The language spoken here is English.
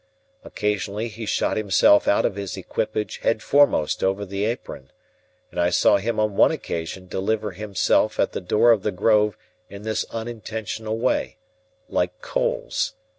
Occasionally, he shot himself out of his equipage headforemost over the apron; and I saw him on one occasion deliver himself at the door of the Grove in this unintentional way—like coals.